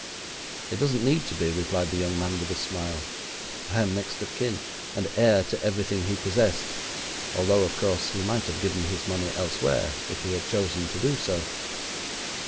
'It doesn't need to be,' replied the young man with a smile. 'I am next of kin, and heir to everything he possessed, although, of course, he might have given his money elsewhere if he had chosen to do so.